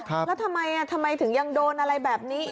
แล้วทำไมทำไมถึงยังโดนอะไรแบบนี้